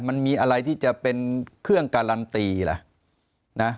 มันมีอะไรที่จะเป็นเครื่องการันตีล่ะนะ